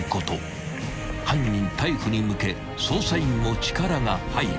［犯人逮捕に向け捜査員も力が入る］